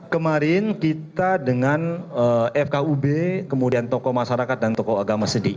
kemarin kita dengan fkub kemudian tokoh masyarakat dan tokoh agama sedih